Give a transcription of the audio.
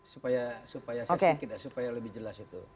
supaya saya sedikit ya supaya lebih jelas itu